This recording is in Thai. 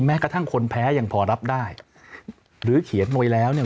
แม้กระทั่งคนแพ้ยังพอรับได้หรือเขียนมวยแล้วเนี่ย